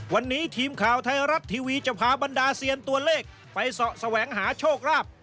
วันนี้ทีมข่าวไทยรัฐทีวีจะพาบรรดาเซียนตัวเลขไปเสาะแสวงหาโชคลาภ